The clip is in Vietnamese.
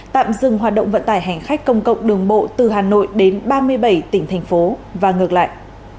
tạm dừng hoạt động vận tải hành khách công cộng đường bộ từ hà nội đến ba mươi bảy tỉnh thành phố và ngược lại